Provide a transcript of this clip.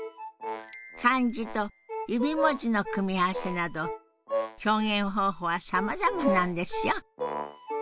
漢字と指文字の組み合わせなど表現方法はさまざまなんですよ。